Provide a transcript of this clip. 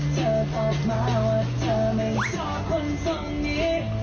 ชอบคนตรงนี้